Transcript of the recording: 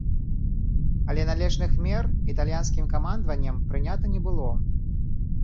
Але належных мер італьянскім камандаваннем прынята не было.